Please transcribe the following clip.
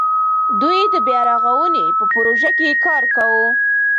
دوی د بیا رغاونې په پروژه کې کار کاوه.